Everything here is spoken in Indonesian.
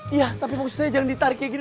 iya tapi fokusnya jangan ditarik kayak gini